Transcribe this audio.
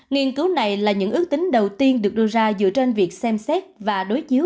nghiên cứu này là những ước tính đầu tiên được đưa ra dựa trên việc xem xét và đối chiếu